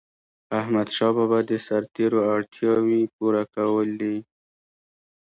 احمدشاه بابا به د سرتيرو اړتیاوي پوره کولي.